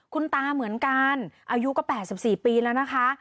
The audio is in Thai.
คุณตาเหมือนกันอายุก็๘๔ปีแล้วนะคะ